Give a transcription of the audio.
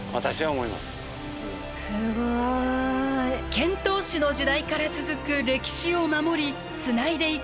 遣唐使の時代から続く歴史を守りつないでいきたい。